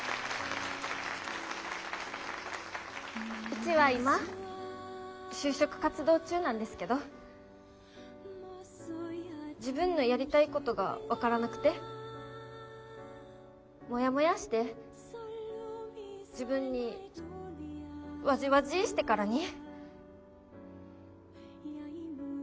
うちは今就職活動中なんですけど自分のやりたいことが分からなくてもやもやーして自分にわじわじーしてからに。